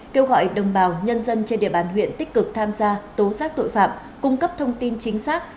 kêu gọi đồng bào nhân dân trên địa bàn huyện tích cực tham gia tố giác tội phạm cung cấp thông tin chính xác